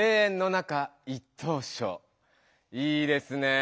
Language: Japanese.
いいですねぇ。